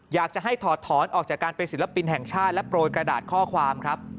อยากจะให้ถอดถอนออกจากการเป็นศิลปินแห่งชาติและโปรยกระดาษข้อความครับ